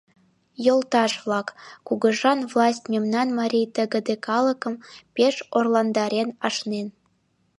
Йолташ-влак, кугыжан власть мемнан марий тыгыде калыкым пеш орландарен ашнен...»